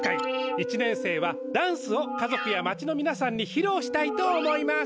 １年生はダンスを家族や町のみなさんにひろうしたいと思います。